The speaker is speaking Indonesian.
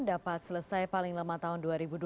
dapat selesai paling lama tahun dua ribu dua puluh